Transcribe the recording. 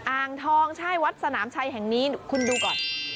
อ่างทองใช่วัดสนามชัยแห่งนี้คุณดูก่อน